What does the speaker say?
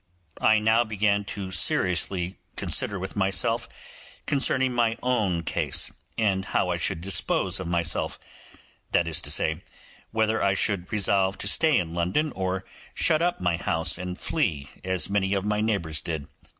I now began to consider seriously with myself concerning my own case, and how I should dispose of myself; that is to say, whether I should resolve to stay in London or shut up my house and flee, as many of my neighbours did.